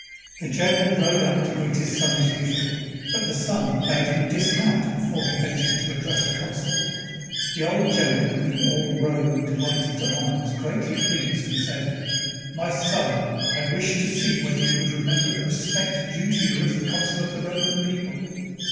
The general rode up to greet his son as usual, but the son bade him dis mount before he ventured to address a consul. The old general whom all Rome deHghted to honor was greatly pleased and said, "My son, I wished to see whether you would remember the respect due you as consul of the Roman people."